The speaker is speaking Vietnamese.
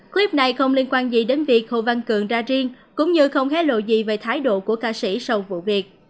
clip này không liên quan gì đến việc hồ văn cường ra riêng cũng như không hé lộ gì về thái độ của ca sĩ sau vụ việc